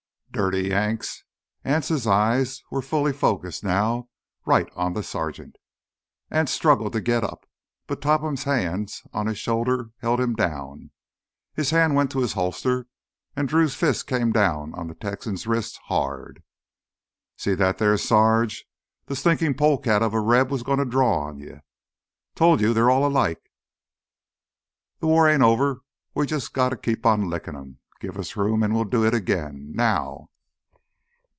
"Dirty Yanks!" Anse's eyes were fully focused now—right on the sergeant. Anse struggled to get up, but Topham's hands on his shoulders held him down. His hand went to his holster, and Drew's fist came down on the Texan's wrist, hard. "See that thar, Sarge! Th' stinkin' polecat of a Reb was gonna draw on you! Told you, they's all alike. Th' war ain't over; we jus' gotta keep on lickin' 'em. Give us room, an' we'll do it again—now!"